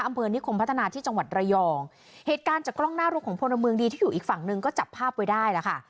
อำเภอนิคมพัฒนาที่จังหวัดระยองเหตุการณ์จากกล้องหน้ารถของพลเมืองดีที่อยู่อีกฝั่งหนึ่งก็จับภาพไว้ได้ล่ะค่ะ